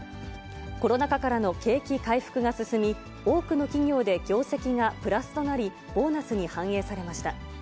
コロナ禍からの景気回復が進み、多くの企業で業績がプラスとなり、ボーナスに反映されました。